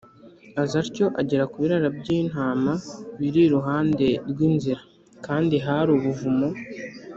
Aza atyo agera ku biraro by’intama biri iruhande rw’inzira, kandi hari ubuvumo.